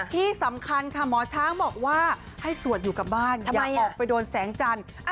ที่สำคัญค่ะหมอช้างบอกว่าให้สวดอยู่กับบ้านอย่าออกไปโดนแสงจันทร์